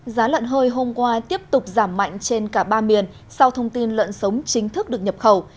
giá lợn hơi hôm qua tiếp tục giảm mạnh trên cả ba miền sau thông tin lợn sống chính thức được nhập khẩu